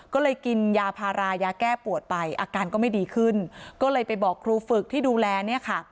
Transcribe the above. ก็เลยกินยาพารายาแก้ปวดไปอาการก็ไม่ดีขึ้นก็เลยไปบอกครูฝึกที่ดูแลเนี่ยค่ะ